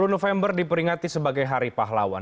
sepuluh november diperingati sebagai hari pahlawan